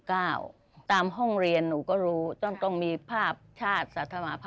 เก้าตามห้องเรียนหนูก็รู้ต้องต้องมีภาพชาติสัตว์ภาพ